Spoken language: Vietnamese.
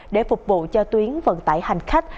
để phục vụ cho tuyến vận tải hành khách